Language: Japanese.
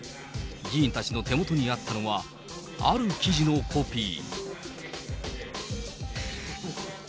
議員たちの手元にあったのは、ある記事のコピー。